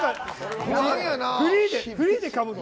フリーでかむの？